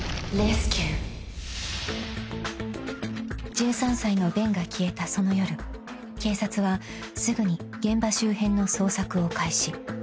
［１３歳のベンが消えたその夜警察はすぐに現場周辺の捜索を開始］